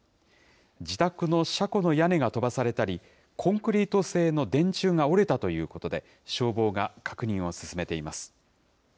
自宅の車庫の屋根が飛ばされたり、コンクリート製の電柱が折れたということで、消防が確認を進めています。